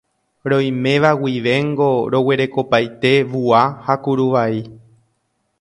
Roiméva guivéngo roguerekopaite vua ha kuruvai.